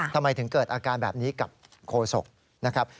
ทำไมถึงเกิดอาการแบบนี้กับโฆษกนะครับ